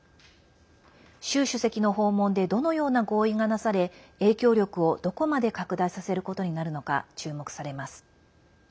習主席の訪問でどのような合意がなされ影響力をどこまで拡大させることになるのか注目されます。